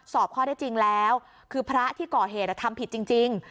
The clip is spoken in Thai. สอบข้อได้จริงแล้วคือพระที่ก่อเหตุทำผิดจริง